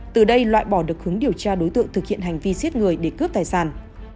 từ đây loại bỏ được hướng điều tra đối tượng thực hiện hành vi giết người để cướp tài sản